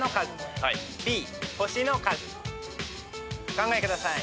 お考えください。